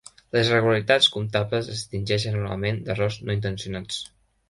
Les irregularitats comptables es distingeixen normalment d'errors no intencionats.